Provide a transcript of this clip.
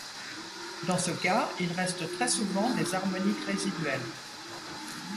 Dans ce cas, il reste très souvent des harmoniques résiduelles.